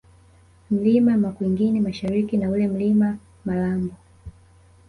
Mlima Makungwini Mashariki na ule Mlima Malambo